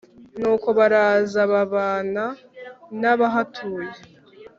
nuko baraza babana n'abahatuye